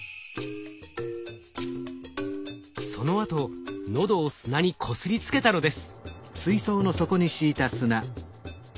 そのあと喉を砂にこすりつけたのです。